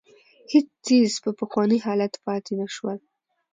هېڅ څېز په پخواني حالت پاتې نه شول.